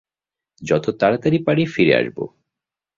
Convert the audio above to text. যত তাড়াতাড়ি পারি ফিরে আসবো।